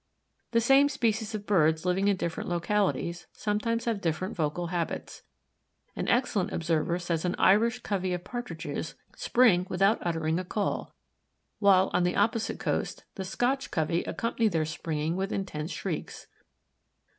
The same species of birds living in different localities sometimes have different vocal habits. An excellent observer says an Irish covey of Partridges spring without uttering a call, while, on the opposite coast, the Scotch covey accompany their springing with intense shrieks.